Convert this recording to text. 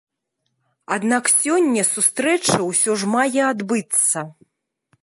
Аднак сёння сустрэча ўсё ж мае адбыцца.